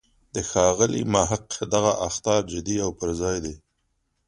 د ښاغلي محق دغه اخطار جدی او پر ځای دی.